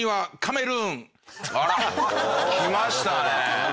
あらきましたね！